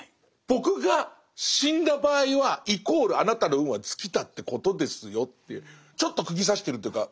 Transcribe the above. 僕が死んだ場合はイコールあなたの運は尽きたってことですよってちょっとくぎ刺してるというか。